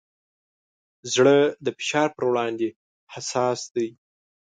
زړه د فشار پر وړاندې حساس دی.